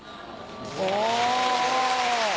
お。